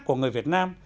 của người việt nam